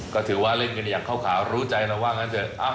ก็ถือว่าเล่นกันอย่างเข้าขารู้ใจเราว่างั้นเถอะ